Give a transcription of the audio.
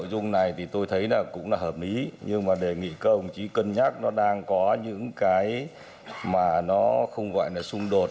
nội dung này thì tôi thấy là cũng là hợp lý nhưng mà đề nghị các ông chí cân nhắc nó đang có những cái mà nó không gọi là xung đột